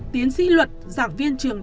tiến sĩ luật giảng viên trường